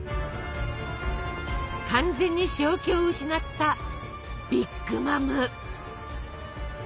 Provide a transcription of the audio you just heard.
完全に正気を失ったビッグ・マム。